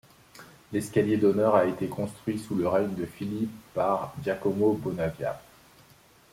L’escalier d’honneur a été construit sous le règne de Philippe par Giacomo Bonavia.